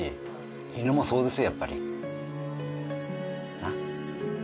なっ？